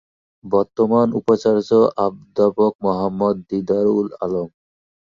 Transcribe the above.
বর্তমান উপাচার্য অধ্যাপক মোহাম্মদ দিদার-উল-আলম।